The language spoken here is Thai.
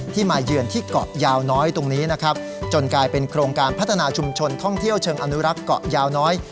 มาเยือนที่เกาะยาวน้อยตรงนี้นะครับจนกลายเป็นโครงการพัฒนาชุมชนท่องเที่ยวเชิงอนุรักษ์เกาะยาวน้อย